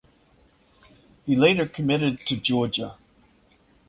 He later committed to Georgia.